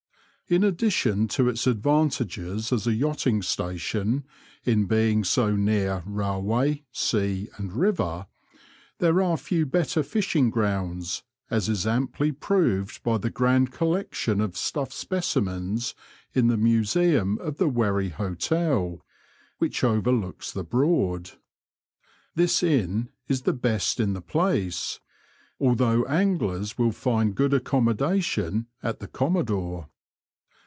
In addition to its advantages as a yachting station, in being so near railway, sea, and river, there are few better fishing grounds, as is amply proved by the grand collection of stuffed specimens in the museum of the Wherry Hotel, which overlooks the Broad. This inn is the best in the place, although anglers will find good accommodation at the Commodore.